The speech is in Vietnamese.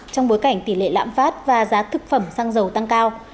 trong bối cảnh tỷ lệ lãm phát và giá thực phẩm xăng dầu tăng cao